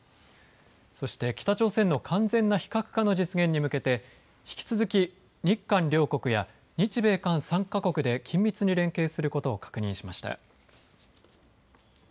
そして北朝鮮の完全な非核化の実現に向けて引き続き日韓両国や日米韓３か国で緊密に連携することを確認しました。